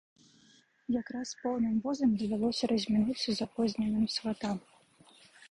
Якраз з поўным возам давялося размінуцца запозненым сватам.